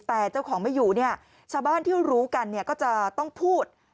แต่เจ้าของไม่อยู่เนี่ยชาวบ้านที่รู้กันเนี่ยก็จะต้องพูด